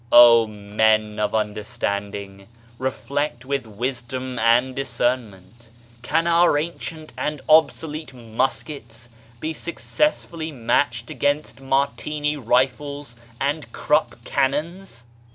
O men of understanding, reflect with wisdom and discernmentl Can our ancient and obsolete muskets be successfully matched against Martini rifles and Krupp cannons?